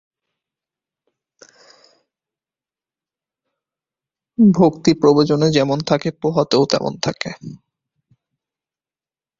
ভক্তি প্রবচনে যেমন থাকে, পোহাতে ও তেমন থাকে।